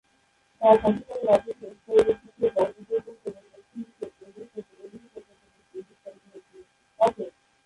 তার শাসনকালে রাজ্যটি উত্তর দিকে বঙ্গ পর্যন্ত এবং দক্ষিণে এলুরু পর্যন্ত বিস্তারিত হয়েছিল।